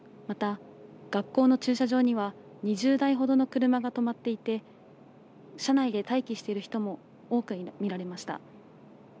また、学校の駐車場には２０台ほどの車が止まっていて車内で待機している人も多く見られました。